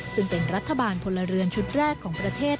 ซึ่งเป็นรัฐบาลพลเรือนชุดแรกของประเทศ